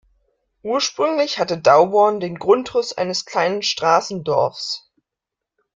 Ursprünglich hatte Dauborn den Grundriss eines kleinen Straßendorfs.